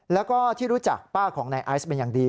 แล้วก็ที่รู้จักป้าของนายไอซ์เป็นอย่างดี